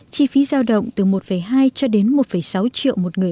chi phí giao động từ một hai cho đến một sáu triệu một người